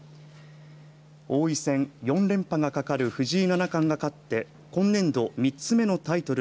王位戦４連覇が懸かる藤井七冠が勝って今年度３つ目のタイトル